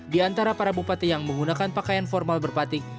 di antara para bupati yang menggunakan pakaian formal berpatik